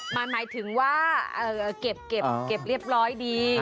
มันหมายถึงว่าเก็บเรียบร้อยดี